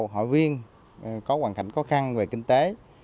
hội viên có hoàn cảnh khó khăn về kinh tế